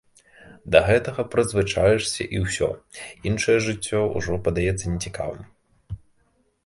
Да гэтага прызвычайваешся і ўсё, іншае жыццё ўжо падаецца нецікавым.